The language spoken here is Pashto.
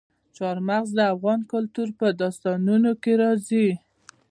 چار مغز د افغان کلتور په داستانونو کې راځي.